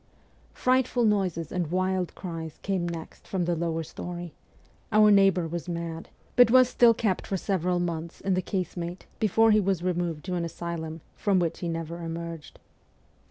Frightful noises and wild cries came next from the lower story; our neighbour was mad, but was still kept for several months in the case mate before he was removed to an asylum, from which he never emerged.